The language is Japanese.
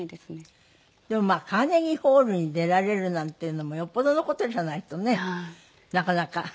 でもまあカーネギーホールに出られるなんていうのもよっぽどの事じゃないとねなかなか。